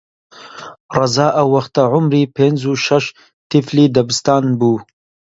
ڕەزا ئەو وەختە عومری پێنج و شەش تیفلی دەبستان بوو